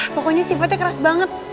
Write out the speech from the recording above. pokoknya sifatnya keras banget